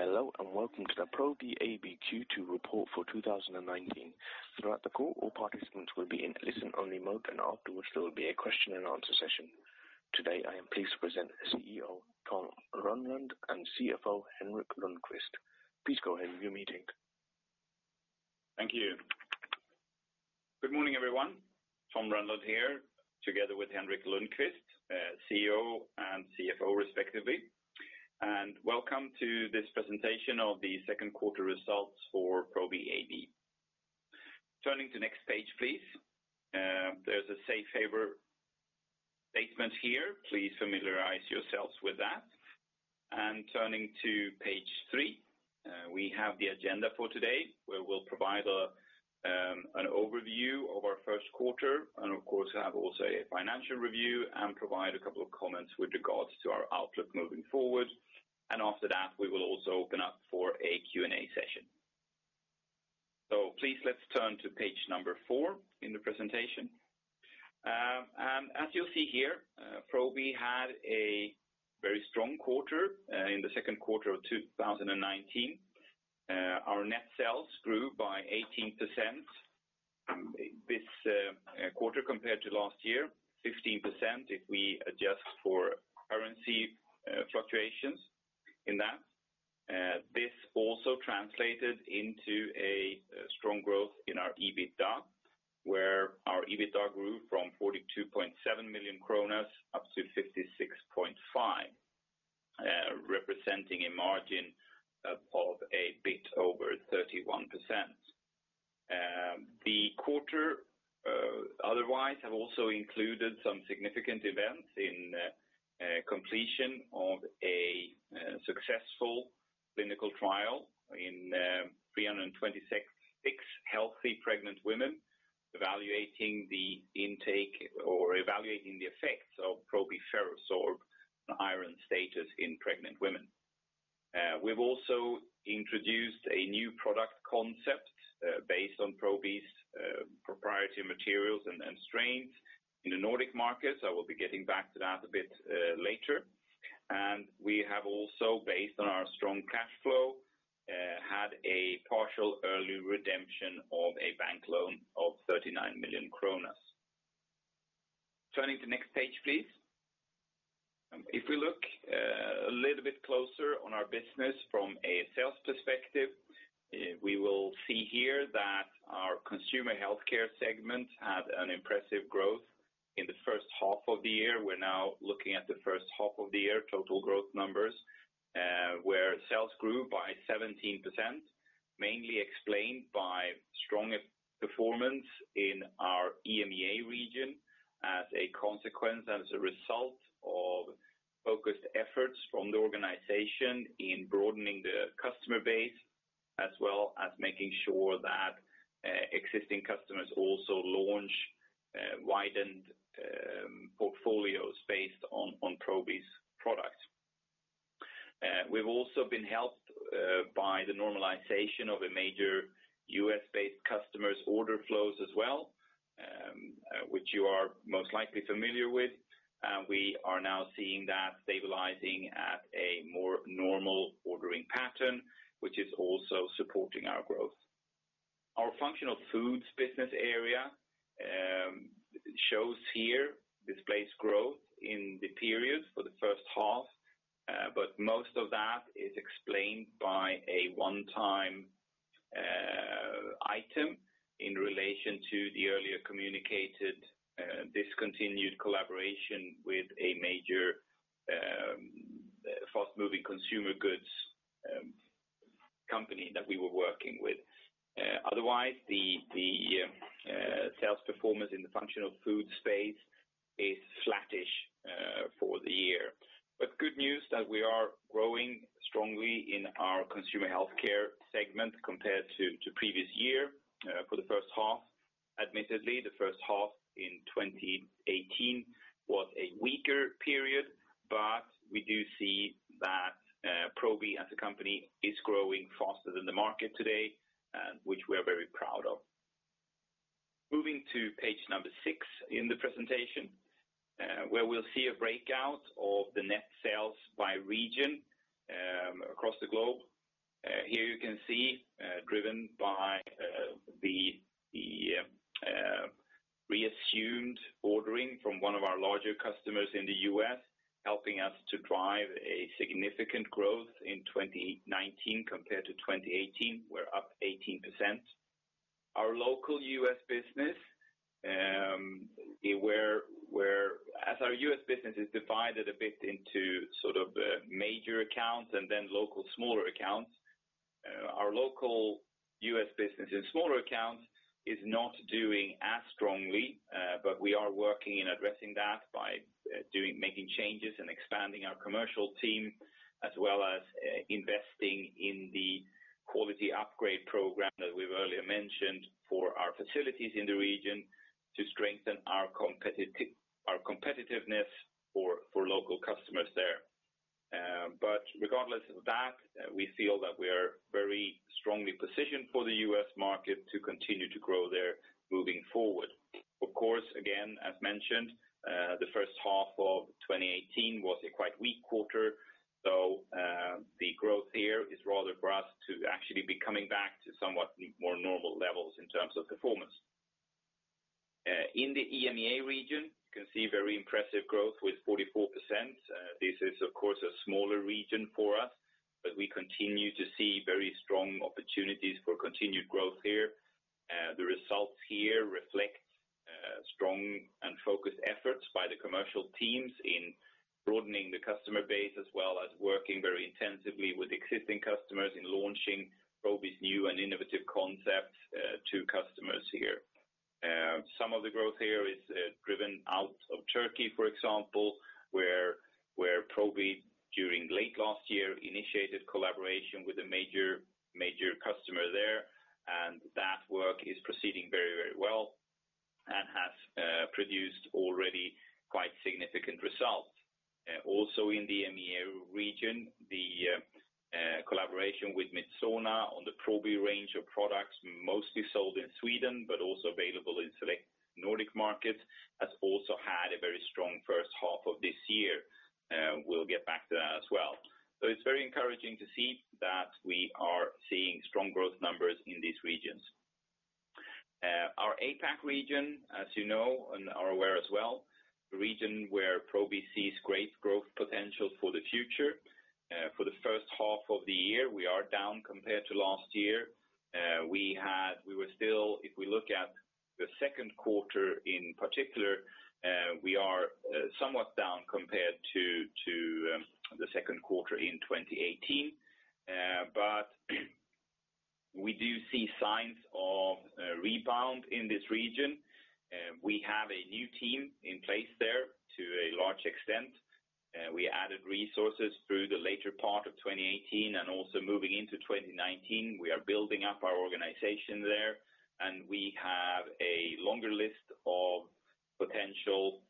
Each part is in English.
Hello and welcome to the Probi AB Q2 report for 2019. Throughout the call, all participants will be in listen-only mode, and afterwards there will be a question and answer session. Today, I am pleased to present CEO Tom Rönnlund and CFO Henrik Lundkvist. Please go ahead with your meeting. Thank you. Good morning, everyone. Tom Rönnlund here, together with Henrik Lundkvist, CEO and CFO respectively. Welcome to this presentation of the second quarter results for Probi AB. Turning to next page, please. There's a safe harbor statement here. Please familiarize yourselves with that. Turning to page three, we have the agenda for today where we'll provide an overview of our first quarter and, of course, have also a financial review and provide a couple of comments with regards to our outlook moving forward. After that, we will also open up for a Q&A session. Please, let's turn to page number four in the presentation. As you'll see here, Probi had a very strong quarter in the second quarter of 2019. Our net sales grew by 18% this quarter compared to last year, 15% if we adjust for currency fluctuations in that. This also translated into a strong growth in our EBITDA, where our EBITDA grew from 42.7 million kronor up to 56.5 million, representing a margin of a bit over 31%. The quarter otherwise has also included some significant events in completion of a successful clinical trial in 326 healthy pregnant women evaluating the intake or evaluating the effects of Probi FerroSorb on iron status in pregnant women. We've also introduced a new product concept based on Probi's proprietary materials and strains in the Nordic markets. I will be getting back to that a bit later. We have also, based on our strong cash flow, had a partial early redemption of a bank loan of 39 million kronor. Turning to next page, please. If we look a little bit closer on our business from a sales perspective, we will see here that our consumer healthcare segment had an impressive growth in the first half of the year. We're now looking at the first half of the year total growth numbers, where sales grew by 17%, mainly explained by strong performance in our EMEA region as a consequence and as a result of focused efforts from the organization in broadening the customer base, as well as making sure that existing customers also launch widened portfolios based on Probi's products. We've also been helped by the normalization of a major U.S.-based customer's order flows as well, which you are most likely familiar with. We are now seeing that stabilizing at a more normal ordering pattern, which is also supporting our growth. Our functional foods business area shows here displaced growth in the period for the first half. Most of that is explained by a one-time item in relation to the earlier communicated discontinued collaboration with a major fast-moving consumer goods company that we were working with. Otherwise, the sales performance in the functional food space is flattish for the year. Good news that we are growing strongly in our consumer healthcare segment compared to previous year for the first half. Admittedly, the first half in 2018 was a weaker period, we do see that Probi as a company is growing faster than the market today, and which we are very proud of. Moving to page number six in the presentation, where we'll see a breakout of the net sales by region across the globe. Here you can see, driven by the reassumed ordering from one of our larger customers in the U.S., helping us to drive a significant growth in 2019 compared to 2018. We're up 18%. Our local U.S. business, as our U.S. business is divided a bit into sort of major accounts and then local smaller accounts. Our local U.S. business in smaller accounts is not doing as strongly, we are working in addressing that by making changes and expanding our commercial team, as well as investing in the quality upgrade program that we've earlier mentioned for our facilities in the region to strengthen our competitiveness for local customers there. Regardless of that, we feel that we are very strongly positioned for the U.S. market to continue to grow there moving forward. Of course, again, as mentioned, the first half of 2018 was a quite weak quarter, so the growth here is rather for us to actually be coming back to somewhat more normal levels in terms of performance. In the EMEA region, you can see very impressive growth with 44%. This is of course a smaller region for us, we continue to see very strong opportunities for continued growth here. The results here reflect strong and focused efforts by the commercial teams in broadening the customer base, as well as working very intensively with existing customers in launching Probi's new and innovative concept to customers here. Some of the growth here is driven out of Turkey, for example, where Probi, during late last year, initiated collaboration with a major customer there, and that work is proceeding very well and has produced already quite significant results. Also in the EMEA region, the collaboration with Midsona on the Probi range of products, mostly sold in Sweden but also available in select Nordic markets, has also had a very strong first half of this year. We'll get back to that as well. It's very encouraging to see that we are seeing strong growth numbers in these regions. Our APAC region, as you know and are aware as well, the region where Probi sees great growth potential for the future. For the first half of the year, we are down compared to last year. If we look at the second quarter in particular, we are somewhat down compared to the second quarter in 2018. We do see signs of a rebound in this region. We have a new team in place there to a large extent. We added resources through the later part of 2018 and also moving into 2019. We are building up our organization there, and we have a longer list of potential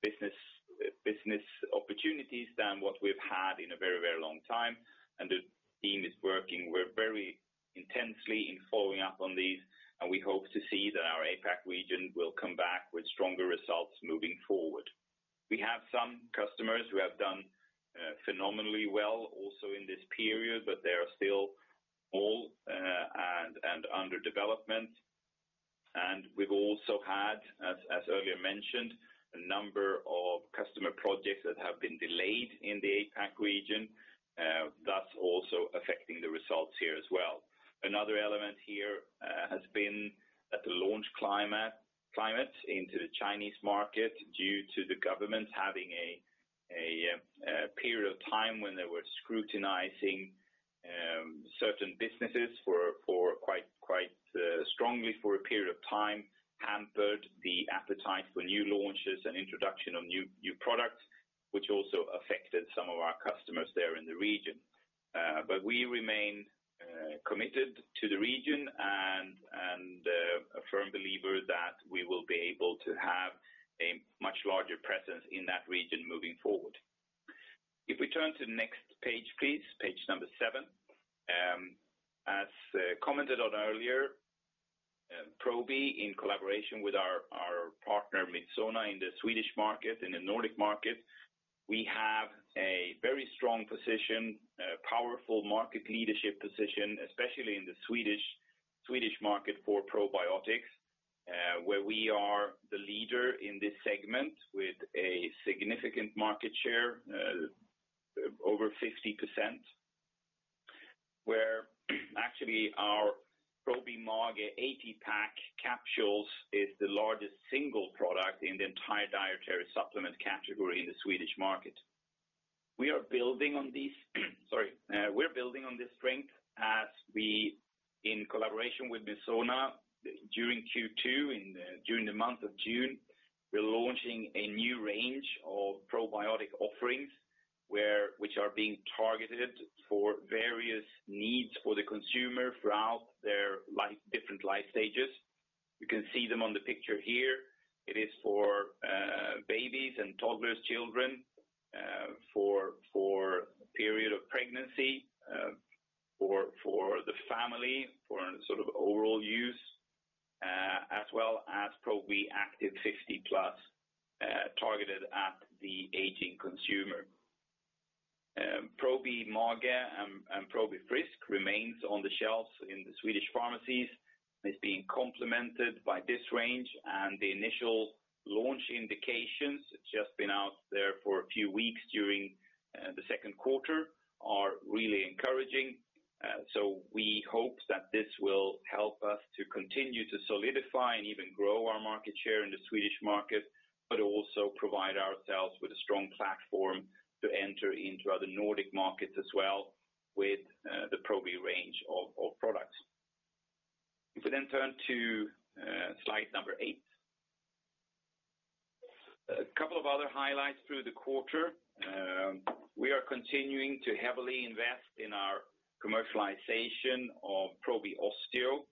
business opportunities than what we've had in a very long time. The team is working very intensely in following up on these, and we hope to see that our APAC region will come back with stronger results moving forward. We have some customers who have done phenomenally well also in this period, but they are still all under development. We've also had, as earlier mentioned, a number of customer projects that have been delayed in the APAC region, thus also affecting the results here as well. Another element here has been that the launch climate into the Chinese market, due to the government having a period of time when they were scrutinizing certain businesses quite strongly for a period of time, hampered the appetite for new launches and introduction of new products, which also affected some of our customers there in the region. We remain committed to the region and a firm believer that we will be able to have a much larger presence in that region moving forward. If we turn to the next page, please, page number seven. As commented on earlier, Probi, in collaboration with our partner Midsona in the Swedish market, in the Nordic market, we have a very strong position, a powerful market leadership position, especially in the Swedish market for probiotics, where we are the leader in this segment with a significant market share of over 50%, where actually our Probi Mage 80 pack capsules is the largest single product in the entire dietary supplement category in the Swedish market. We are building on this strength as we, in collaboration with Midsona during Q2, during the month of June, we are launching a new range of probiotic offerings which are being targeted for various needs for the consumer throughout their different life stages. You can see them on the picture here. It is for babies and toddlers, children, for period of pregnancy, for the family, for overall use, as well as Probi Active 50 plus, targeted at the aging consumer. Probi Mage and Probi Frisk remains on the shelves in the Swedish pharmacies, is being complemented by this range, and the initial launch indications, it's just been out there for a few weeks during the second quarter, are really encouraging. We hope that this will help us to continue to solidify and even grow our market share in the Swedish market, but also provide ourselves with a strong platform to enter into other Nordic markets as well with the Probi range of products. If we turn to slide number eight. A couple of other highlights through the quarter. We are continuing to heavily invest in our commercialization of Probi Osteo,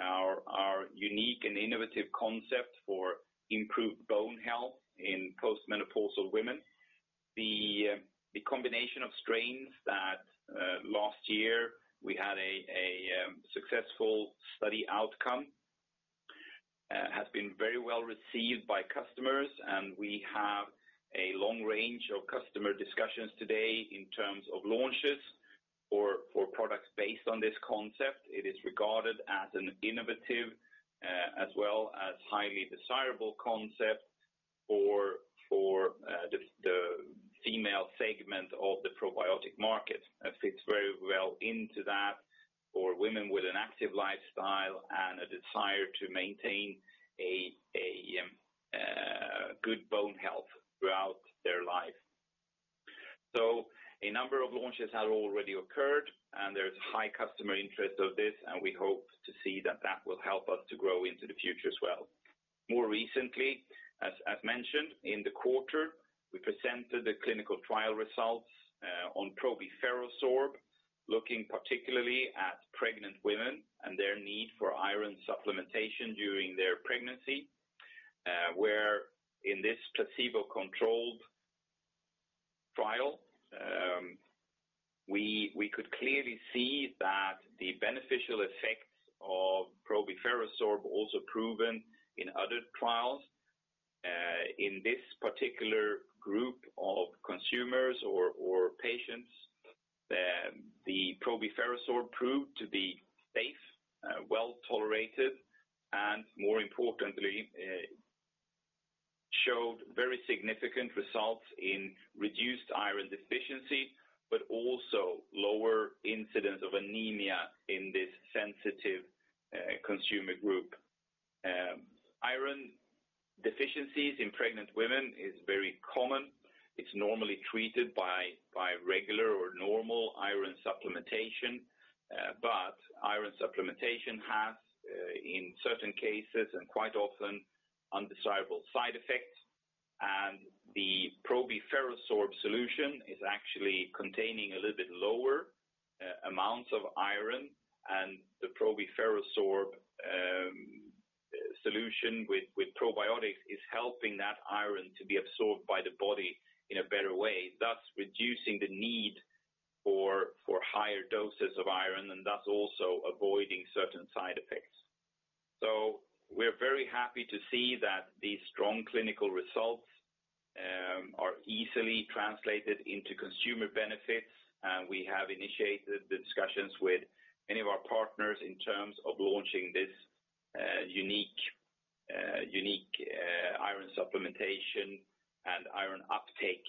our unique and innovative concept for improved bone health in post-menopausal women. The combination of strains that last year we had a successful study outcome has been very well received by customers, and we have a long range of customer discussions today in terms of launches for products based on this concept. It is regarded as an innovative, as well as highly desirable concept for the female segment of the probiotic market. It fits very well into that for women with an active lifestyle and a desire to maintain a good bone health throughout their life. A number of launches have already occurred, and there is high customer interest of this, and we hope to see that that will help us to grow into the future as well. More recently, as mentioned, in the quarter, we presented the clinical trial results on Probi FerroSorb, looking particularly at pregnant women and their need for iron supplementation during their pregnancy, where in this placebo-controlled trial, we could clearly see that the beneficial effects of Probi FerroSorb also proven in other trials. In this particular group of consumers or patients, the Probi FerroSorb proved to be safe, well-tolerated, and more importantly, showed very significant results in reduced iron deficiency, but also lower incidence of anemia in this sensitive consumer group. Iron deficiencies in pregnant women is very common. It's normally treated by regular or normal iron supplementation, but iron supplementation has, in certain cases and quite often, undesirable side effects. The Probi FerroSorb solution is actually containing a little bit lower amounts of iron, and the Probi FerroSorb solution with probiotics is helping that iron to be absorbed by the body in a better way, thus reducing the need for higher doses of iron and thus also avoiding certain side effects. We are very happy to see that these strong clinical results are easily translated into consumer benefits. We have initiated the discussions with many of our partners in terms of launching this unique iron supplementation and iron uptake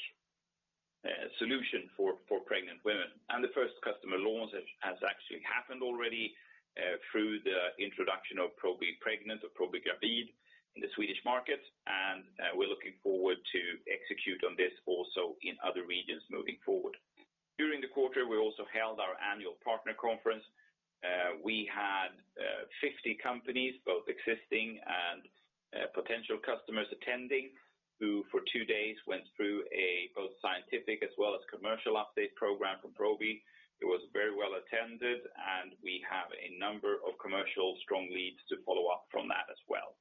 solution for pregnant women. The first customer launch has actually happened already through the introduction of Probi Pregnant or Probi Gravid in the Swedish market, and we are looking forward to execute on this also in other regions moving forward. During the quarter, we also held our annual partner conference. We had 50 companies, both existing and potential customers attending, who for two days went through a both scientific as well as commercial update program from Probi. It was very well attended, and we have a number of commercial strong leads to follow up from that as well.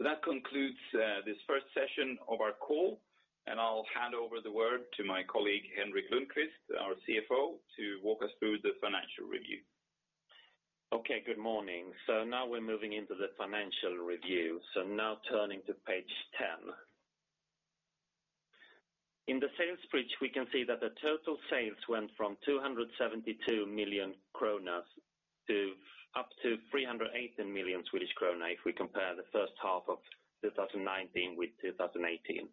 That concludes this first session of our call, and I'll hand over the word to my colleague, Henrik Lundkvist, our CFO, to walk us through the financial review. Good morning. Now we're moving into the financial review. Now turning to page 10. In the sales bridge, we can see that the total sales went from 272 million kronor to up to 318 million Swedish krona, if we compare the first half of 2019 with 2018.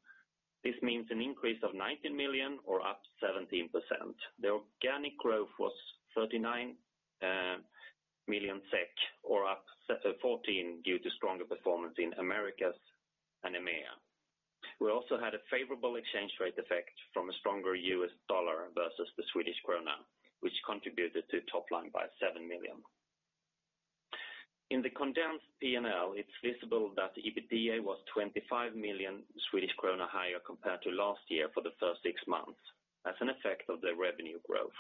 This means an increase of 90 million or up 17%. The organic growth was 39 million SEK, or up 14% due to stronger performance in Americas and EMEA. We also had a favorable exchange rate effect from a stronger US dollar versus the Swedish krona, which contributed to top line by 7 million. In the condensed P&L, it's visible that the EBITDA was 25 million Swedish krona higher compared to last year for the first six months, as an effect of the revenue growth.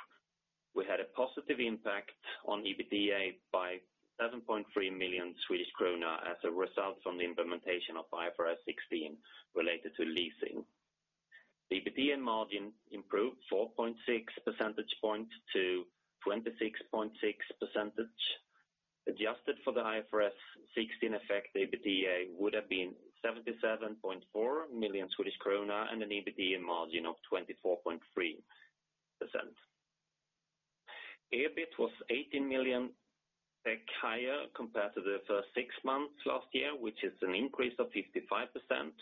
We had a positive impact on EBITDA by 7.3 million Swedish kronor as a result from the implementation of IFRS 16 related to leasing. The EBT and margin improved 4.6 percentage point to 26.6%. Adjusted for the IFRS 16 effect, the EBITDA would have been 77.4 million Swedish krona and an EBT and margin of 24.3%. EBIT was 18 million higher compared to the first six months last year, which is an increase of 55%.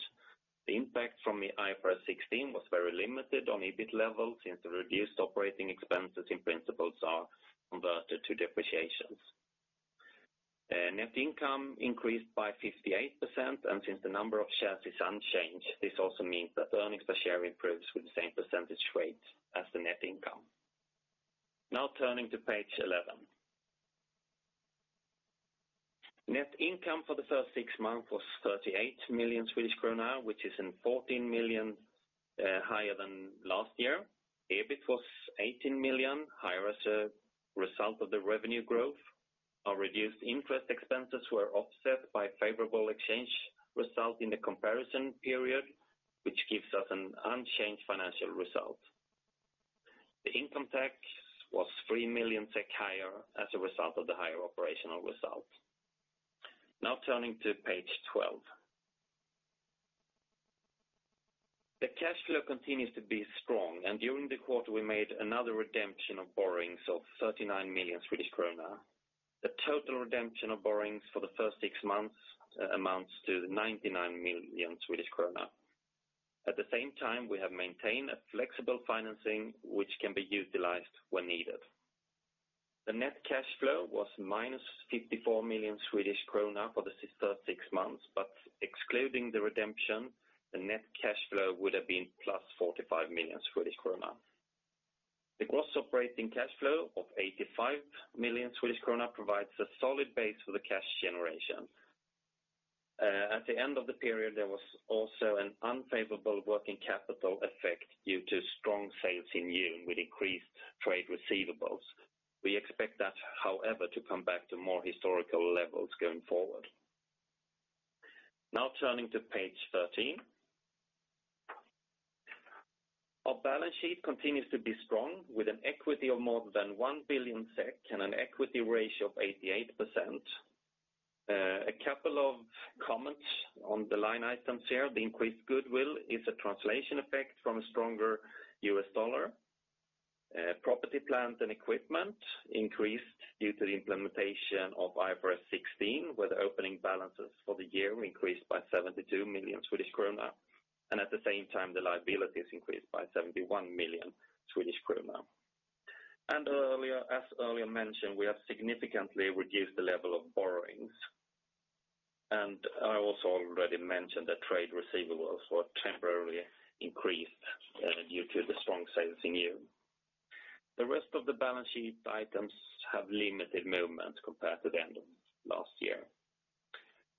The impact from the IFRS 16 was very limited on EBIT level since the reduced operating expenses in principles are converted to depreciations. Since the number of shares is unchanged, this also means that earnings per share improves with the same percentage rate as the net income. Now turning to page 11. Net income for the first six months was 38 million Swedish krona, which is 14 million higher than last year. EBIT was 18 million higher as a result of the revenue growth. Our reduced interest expenses were offset by favorable exchange result in the comparison period, which gives us an unchanged financial result. The income tax was 3 million higher as a result of the higher operational result. Now turning to page 12. The cash flow continues to be strong. During the quarter we made another redemption of borrowings of 39 million Swedish kronor. The total redemption of borrowings for the first six months amounts to 99 million Swedish krona. At the same time, we have maintained a flexible financing, which can be utilized when needed. The net cash flow was minus 54 million Swedish krona for the first six months. Excluding the redemption, the net cash flow would have been plus 45 million Swedish krona. The gross operating cash flow of 85 million Swedish krona provides a solid base for the cash generation. At the end of the period, there was also an unfavorable working capital effect due to strong sales in June with increased trade receivables. We expect that, however, to come back to more historical levels going forward. Now turning to page 13. Our balance sheet continues to be strong with an equity of more than 1 billion SEK and an equity ratio of 88%. A couple of comments on the line items here, the increased goodwill is a translation effect from a stronger US dollar. Property, plant and equipment increased due to the implementation of IFRS 16, where the opening balances for the year increased by 72 million Swedish kronor, and at the same time, the liabilities increased by 71 million Swedish kronor. As earlier mentioned, we have significantly reduced the level of borrowings. I also already mentioned that trade receivables were temporarily increased due to the strong sales in June. The rest of the balance sheet items have limited movement compared to the end of last year.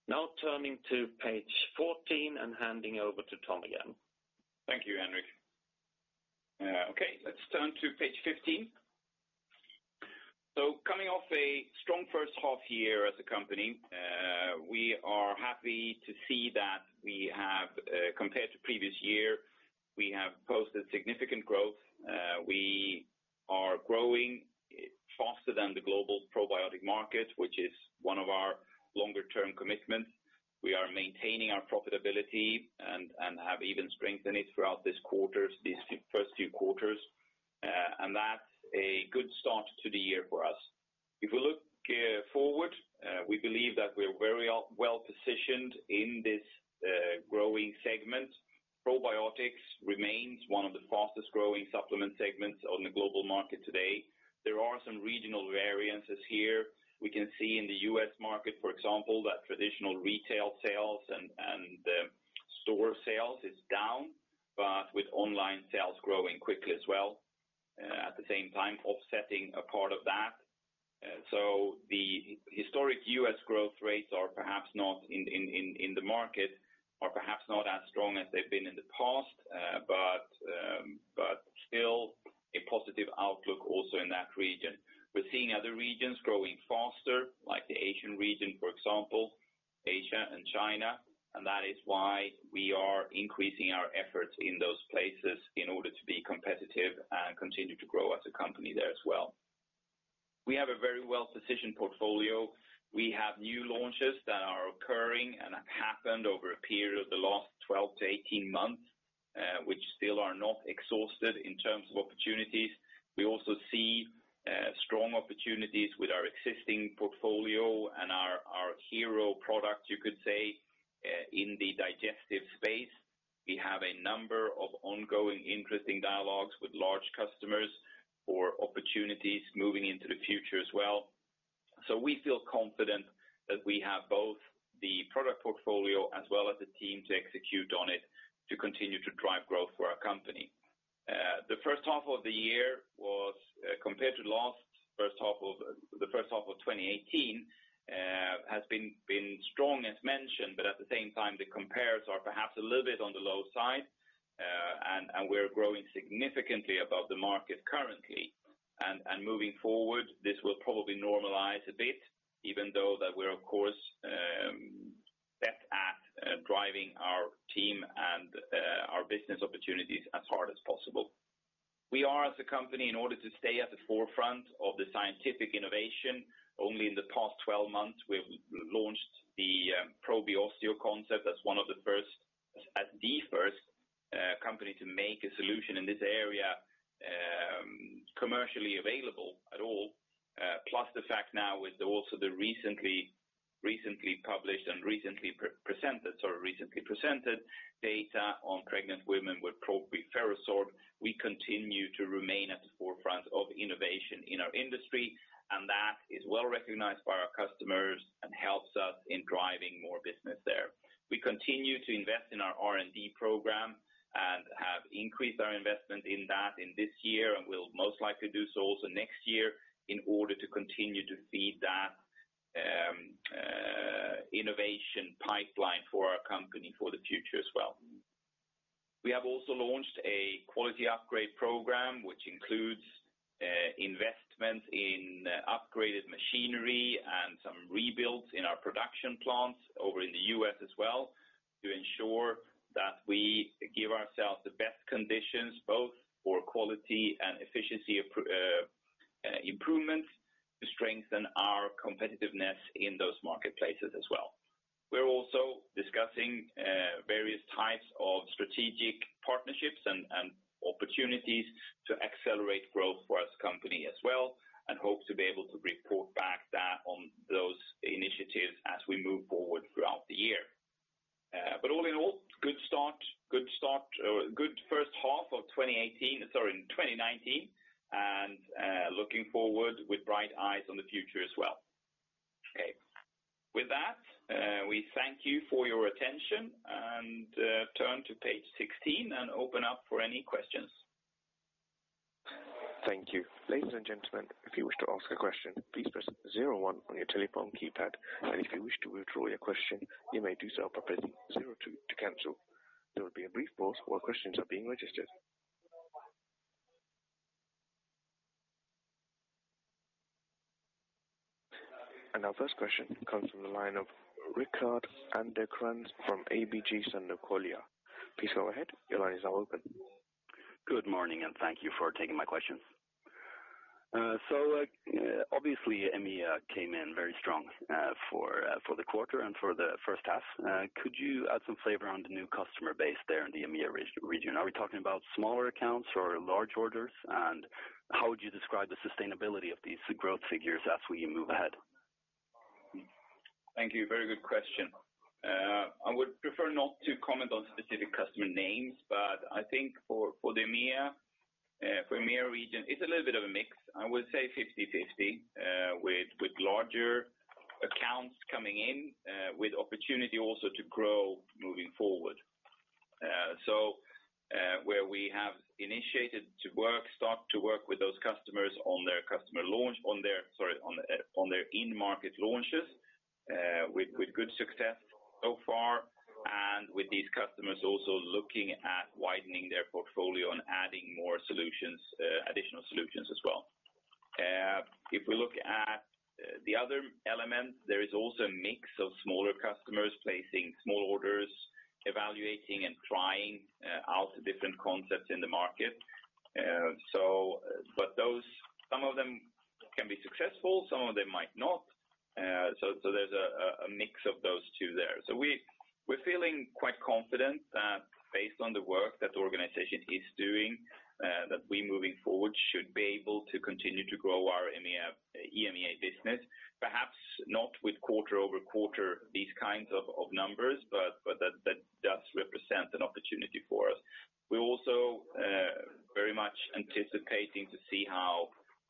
Now turning to page 14 and handing over to Tom again. Thank you, Henrik. Let's turn to page 15. Coming off a strong first half year as a company, we are happy to see that compared to previous year, we have posted significant growth. We are growing faster than the global probiotic market, which is one of our longer term commitments. We are maintaining our profitability and have even strengthened it throughout these first two quarters. That's a good start to the year for us. If we look forward, we believe that we are very well-positioned in this growing segment. Probiotics remains one of the fastest growing supplement segments on the global market today. There are some regional variances here. We can see in the U.S. market, for example, that traditional retail sales and the store sales is down, but with online sales growing quickly as well, at the same time offsetting a part of that. The historic U.S. growth rates in the market are perhaps not as strong as they've been in the past, but still a positive outlook also in that region. We're seeing other regions growing faster, like the Asian region, for example, Asia and China. That is why we are increasing our efforts in those places in order to be competitive and continue to grow as a company there as well. We have a very well-positioned portfolio. We have new launches that are occurring and have happened over a period of the last 12 to 18 months, which still are not exhausted in terms of opportunities. We also see strong opportunities with our existing portfolio and our hero product, you could say, in the digestive space. We have a number of ongoing interesting dialogues with large customers for opportunities moving into the future as well. We feel confident that we have both the product portfolio as well as the team to execute on it to continue to drive growth for our company. The first half of the year, compared to the first half of 2018, has been strong as mentioned, but at the same time, the compares are perhaps a little bit on the low side, and we are growing significantly above the market currently. Moving forward, this will probably normalize a bit, even though that we're, of course, best at driving our team and our business opportunities as hard as possible. We are as a company, in order to stay at the forefront of the scientific innovation, only in the past 12 months, we've launched the Probi Osteo concept as the first company to make a solution in this area commercially available at all. The fact now with also the recently presented data on pregnant women with Probi FerroSorb, we continue to remain at the forefront of innovation in our industry, and that is well recognized by our customers and helps us in driving more business there. We continue to invest in our R&D program and have increased our investment in that in this year and will most likely do so also next year in order to continue to feed that innovation pipeline for our company for the future as well. We have also launched a quality upgrade program, which includes investments in upgraded machinery and some rebuilds in our production plants over in the U.S. as well, to ensure that we give ourselves the best conditions, both for quality and efficiency improvements, to strengthen our competitiveness in those marketplaces as well. We're also discussing various types of strategic partnerships and opportunities to accelerate growth for our company as well, hope to be able to report back on those initiatives as we move forward throughout the year. All in all, good start. Good first half of 2019, and looking forward with bright eyes on the future as well. With that, we thank you for your attention, and turn to page 16 and open up for any questions. Thank you. Ladies and gentlemen, if you wish to ask a question, please press 01 on your telephone keypad, and if you wish to withdraw your question, you may do so by pressing 02 to cancel. There will be a brief pause while questions are being registered. Our first question comes from the line of Rickard Anderkrans from ABG Sundal Collier. Please go ahead. Your line is now open. Good morning, thank you for taking my question. Obviously, EMEA came in very strong for the quarter and for the first half. Could you add some flavor on the new customer base there in the EMEA region? Are we talking about smaller accounts or large orders? How would you describe the sustainability of these growth figures as we move ahead? Thank you. Very good question. I would prefer not to comment on specific customer names, but I think for the EMEA region, it's a little bit of a mix. I would say 50/50, with larger accounts coming in, with opportunity also to grow moving forward. Where we have initiated to start to work with those customers on their in-market launches with good success so far, and with these customers also looking at widening their portfolio and adding more additional solutions as well. If we look at the other elements, there is also a mix of smaller customers placing small orders, evaluating and trying out different concepts in the market. Some of them can be successful, some of them might not, so there's a mix of those two there. We're feeling quite confident that based on the work that the organization is doing, that we moving forward should be able to continue to grow our EMEA business. Perhaps not with quarter-over-quarter, these kinds of numbers, but that does represent an opportunity for us. We're also very much anticipating to see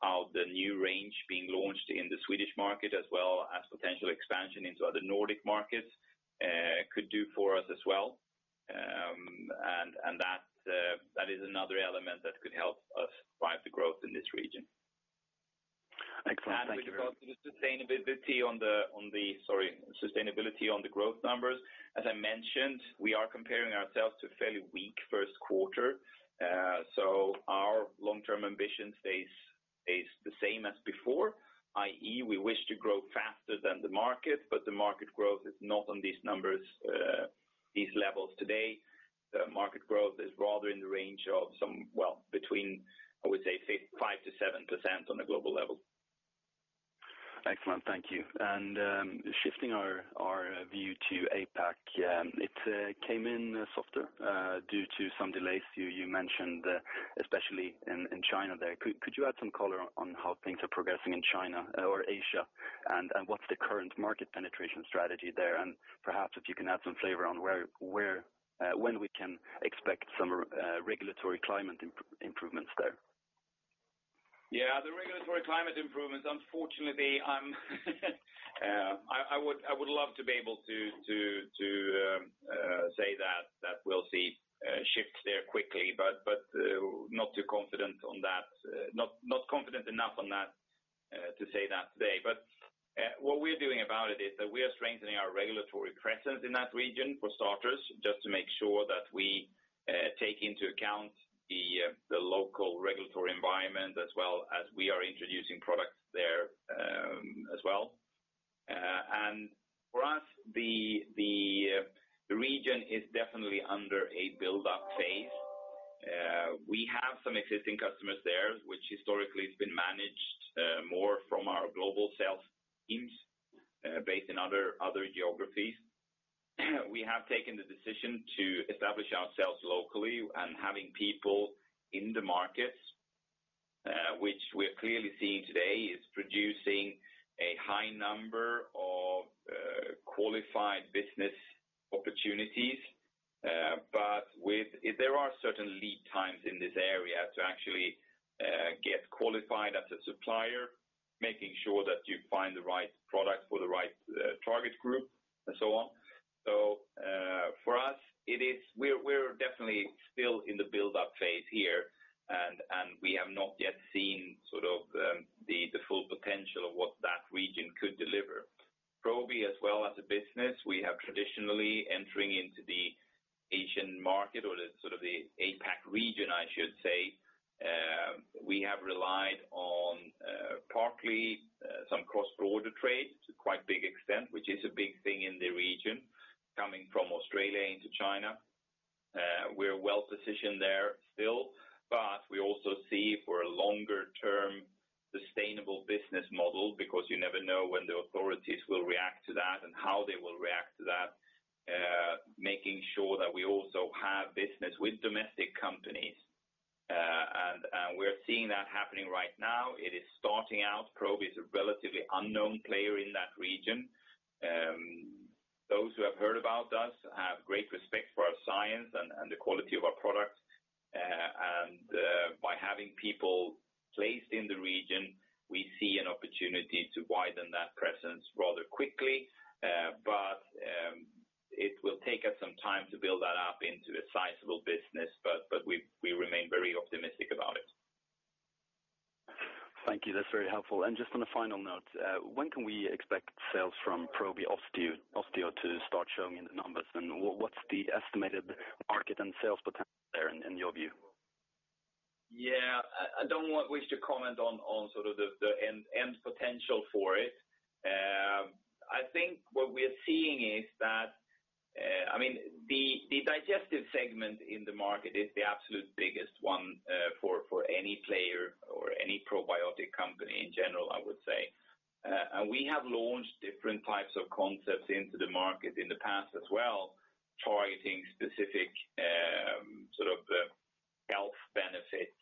how the new range being launched in the Swedish market, as well as potential expansion into other Nordic markets could do for us as well. That is another element that could help us drive the growth in this region. Excellent. Thank you very much. With regard to the sustainability on the growth numbers, as I mentioned, we are comparing ourselves to a fairly weak first quarter. Our long-term ambition stays the same as before, i.e., we wish to grow faster than the market, but the market growth is not on these levels today. Market growth is rather in the range of some, well, between, I would say, 5% to 7% on a global level. Excellent. Thank you. Shifting our view to APAC. It came in softer due to some delays you mentioned, especially in China there. Could you add some color on how things are progressing in China or Asia and what's the current market penetration strategy there? Perhaps if you can add some flavor on when we can expect some regulatory climate improvements there. The regulatory climate improvements. Unfortunately, I would love to be able to say that we'll see shifts there quickly, but not confident enough on that to say that today. What we're doing about it is that we are strengthening our regulatory presence in that region, for starters, just to make sure that we take into account the local regulatory environment as well as we are introducing products there as well. For us, the region is definitely under a build-up phase. We have some existing customers there, which historically has been managed more from our global sales teams based in other geographies. We have taken the decision to establish ourselves locally and having people in the markets, which we're clearly seeing today is producing a high number of qualified business opportunities. There are certain lead times in this area to actually get qualified as a supplier, making sure that you find the right product for the right target group and so on. For us, we're definitely still in the build-up phase here, and we have not yet seen sort of the full potential of what that region could deliver. As well as a business, we have traditionally entering into the Asian market or the APAC region, I should say. We have relied on partly some cross-border trade to quite a big extent, which is a big thing in the region, coming from Australia into China. We're well-positioned there still, but we also see for a longer-term sustainable business model, because you never know when the authorities will react to that and how they will react to that, making sure that we also have business with domestic companies. We're seeing that happening right now. It is starting out. Probi is a relatively unknown player in that region. Those who have heard about us have great respect for our science and the quality of our products. By having people placed in the region, we see an opportunity to widen that presence rather quickly. It will take us some time to build that up into a sizable business, but we remain very optimistic about it. Thank you. That's very helpful. Just on a final note, when can we expect sales from Probi Osteo to start showing in the numbers? What's the estimated market and sales potential there in your view? Yeah. I don't wish to comment on the end potential for it. I think what we're seeing is that the digestive segment in the market is the absolute biggest one for any player or any probiotic company in general, I would say. We have launched different types of concepts into the market in the past as well, targeting specific health benefits.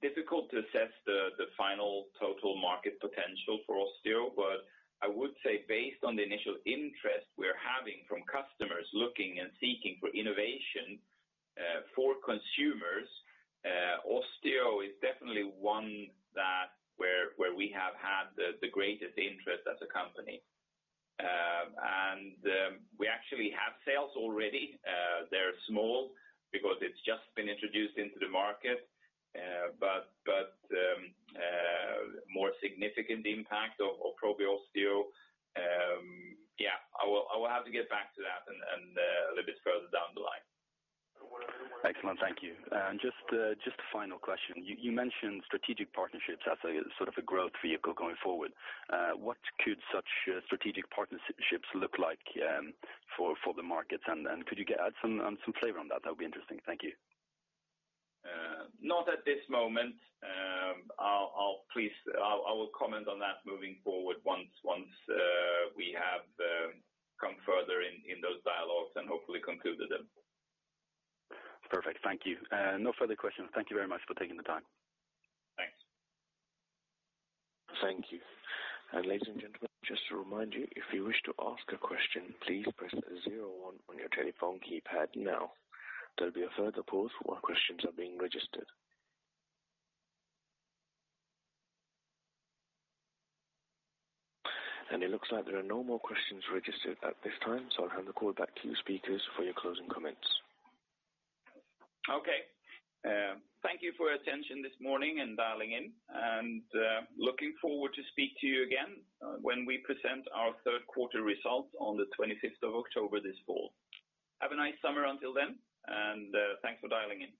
Difficult to assess the final total market potential for Osteo, but I would say based on the initial interest we're having from customers looking and seeking for innovation for consumers, Osteo is definitely one where we have had the greatest interest as a company. We actually have sales already. They're small because it's just been introduced into the market. But more significant impact of Probi Osteo, yeah, I will have to get back to that and a little bit further down the line. Excellent. Thank you. Just a final question. You mentioned strategic partnerships as a sort of a growth vehicle going forward. What could such strategic partnerships look like for the markets? Could you add some flavor on that? That would be interesting. Thank you. Not at this moment. Please, I will comment on that moving forward once we have come further in those dialogues and hopefully concluded them. Perfect. Thank you. No further questions. Thank you very much for taking the time. Thanks. Thank you. Ladies and gentlemen, just to remind you, if you wish to ask a question, please press zero on your telephone keypad now. There'll be a further pause while questions are being registered. It looks like there are no more questions registered at this time, so I'll hand the call back to you speakers for your closing comments. Okay. Thank you for your attention this morning and dialing in, and looking forward to speak to you again when we present our third quarter results on the 25th of October this fall. Have a nice summer until then, thanks for dialing in.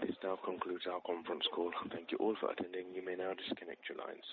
This now concludes our conference call. Thank you all for attending. You may now disconnect your lines.